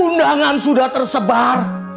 undangan sudah tersebar